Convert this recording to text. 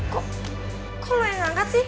kok lo yang angkat sih